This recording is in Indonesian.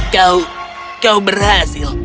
kau kau berhasil